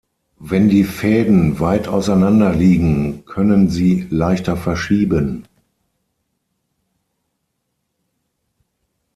Wenn die Fäden weit auseinanderliegen, können sie leichter verschieben.